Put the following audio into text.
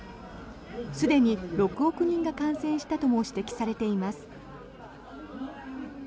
すでに６億人が感染したとも指摘されています。